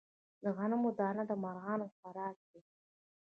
د غنمو دانه د مرغانو خوراک دی.